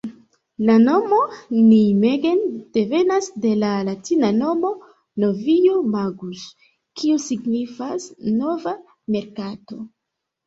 La nomo Nijmegen devenas de la latina nomo "Novio-magus", kio signifas 'nova merkato'.